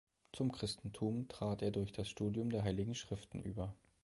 Zum Christentum trat er durch das Studium der Heiligen Schriften über.